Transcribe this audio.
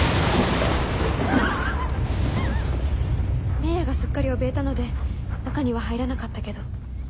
ねえやがすっかりおびえたので中には入らなかったけど。